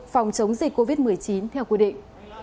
phòng chống dịch covid một mươi chín theo quy định